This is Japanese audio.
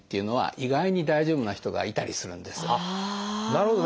なるほど。